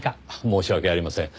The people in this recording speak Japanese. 申し訳ありません。